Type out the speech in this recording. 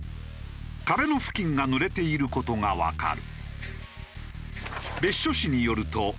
壁の付近が濡れている事がわかる。